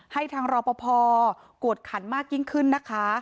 ให้ทางรอปภกวดขันมากยิ่งขึ้นนะคะ